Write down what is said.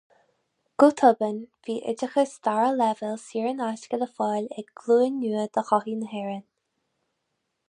Go tobann, bhí oideachas dara leibhéal saor in aisce le fáil ag glúin nua de shochaí na hÉireann.